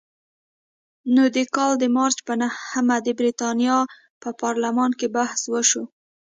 نو د کال د مارچ په نهمه د برتانیې په پارلمان کې بحث وشو.